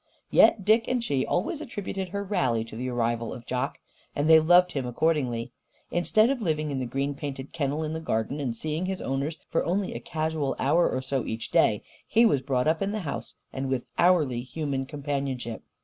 Yet Dick and she always attributed her rally to the arrival of Jock. And they loved him accordingly. Instead of living in the green painted kennel in the garden and seeing his owners for only a casual hour or so each day, he was brought up in the house and with hourly human companionship.